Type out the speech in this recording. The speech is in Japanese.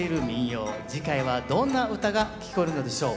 次回はどんな唄が聞こえるのでしょう。